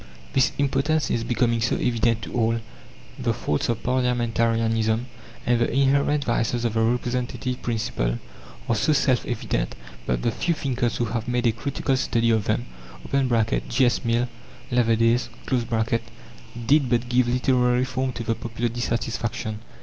This impotence is becoming so evident to all; the faults of parliamentarianism, and the inherent vices of the representative principle, are so self evident, that the few thinkers who have made a critical study of them (J. S. Mill, Leverdays), did but give literary form to the popular dissatisfaction.